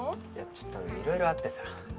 ちょっといろいろあってさ。